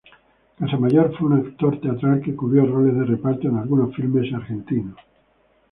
Casamayor fue un actor teatral, que cubrió roles de reparto en algunos filmes argentinos.